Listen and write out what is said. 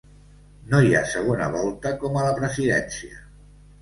No hi ha segona volta com a la presidència.